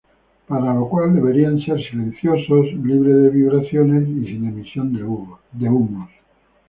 Para ello deberían ser silencios, libre de vibraciones y sin emisión de humos.